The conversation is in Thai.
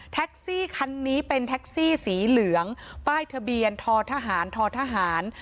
แท็กซี่คันนี้เป็นแท็กซี่สีเหลืองป้ายทะเบียนททหารททหาร